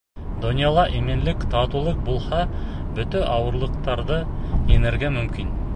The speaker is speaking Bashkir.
Донъяла именлек, татыулыҡ булһа, бөтә ауырлыҡтарҙы еңергә мөмкин.